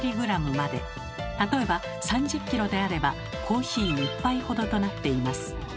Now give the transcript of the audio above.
例えば３０ｋｇであればコーヒー１杯ほどとなっています。